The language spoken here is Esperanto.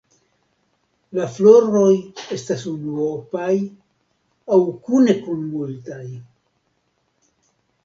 La floroj estas unuopaj aŭ kune kun multaj.